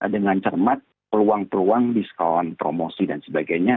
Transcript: dengan cermat peluang peluang diskon promosi dan sebagainya